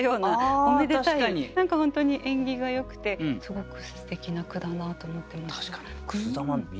本当に縁起がよくてすごくすてきな句だなと思ってました。